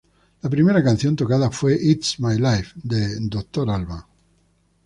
La primera canción tocada fue "It's My Life" de Dr. Alban.